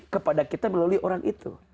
kepada kita melalui orang itu